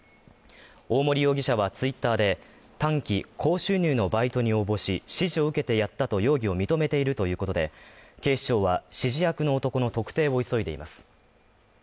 大森容疑者はツイッターで、短期・高収入のバイトに応募し、指示を受けてやったと容疑を認めているということで、警視庁は指示役の男の特定を急いでいます。